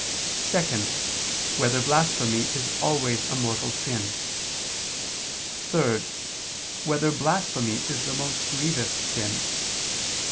(2) Whether blasphemy is always a mortal sin? (3) Whether blasphemy is the most grievous sin?